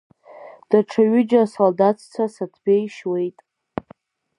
Даҽа ҩыџьа асолдаҭцәа Саҭбеи ишьуеит.